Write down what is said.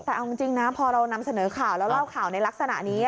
แต่เอาจริงนะพอเรานำเสนอข่าวแล้วเล่าข่าวในลักษณะนี้